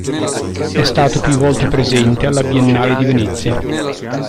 È stato più volte presente alla Biennale di Venezia.